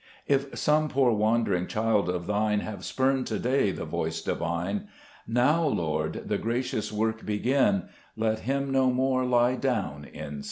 4 If some poor wandering child of Thine Have spurned to day the voice Divine, Now, Lord, the gracious work begin ; Let him no more lie down in sin.